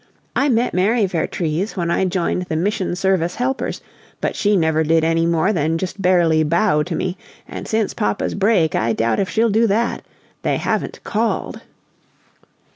I met Mary Vertrees when I joined the Mission Service Helpers, but she never did any more than just barely bow to me, and since papa's break I doubt if she'll do that! They haven't called."